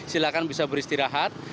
silakan bisa beristirahat